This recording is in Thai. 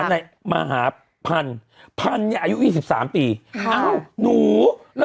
เพื่อมาหาพันพันเนี่ยอายุ๒๓ปีเอาหนูแล้ว